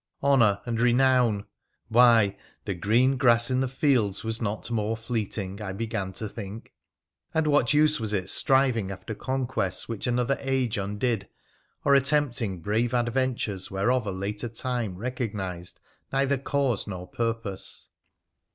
Honour ! and renown ! Why, the green grass in the fields was not more fleeting, I began to think ; and what use was it striving after conquests which another age undid, or attempting brave adventures whereof a later time recog nised neither cause nor purpose